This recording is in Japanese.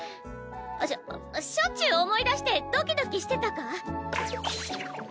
しょしょっちゅう思い出してドキドキしてたか？